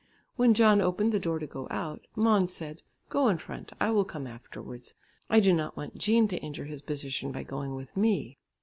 When John opened the door to go out, Måns said, "Go in front; I will come afterwards; I do not want Jean to injure his position by going with me."